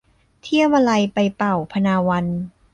เที่ยวมะไลไปเป่าพนาวัน